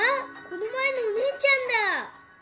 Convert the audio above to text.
この前のお姉ちゃんだ。